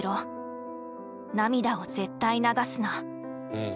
うん。